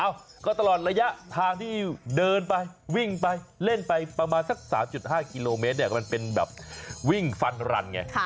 เอ้าก็ตลอดระยะทางที่เดินไปวิ่งไปเล่นไปประมาณสัก๓๕กิโลเมตรเนี่ยมันเป็นแบบวิ่งฟันรันไง